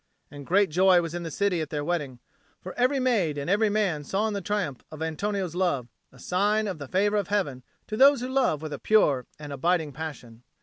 And great was the joy in the city at their wedding; for every maid and every man saw in the triumph of Antonio's love a sign of the favour of Heaven to those who love with a pure and abiding passion.